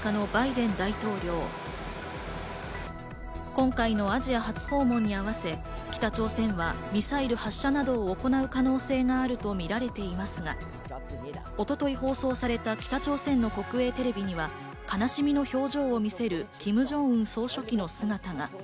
今回のアジア初訪問に合わせ、北朝鮮はミサイル発射などを行う可能性があるとみられていますが、一昨日、放送された北朝鮮の国営テレビには、悲しみの表情を見せる、キム・ジョンウン総書記の姿が。